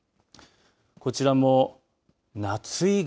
こちらも夏井川